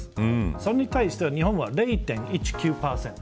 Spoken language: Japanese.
それに対して日本は０．１９％。